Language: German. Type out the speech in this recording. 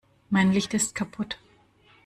Mein Licht ist kaputt.